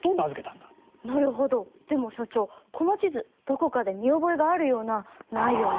でも所長この地図どこかで見覚えがあるようなないような。